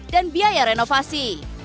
dan biaya renovasi